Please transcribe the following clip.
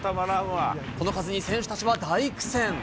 この風に選手たちは大苦戦。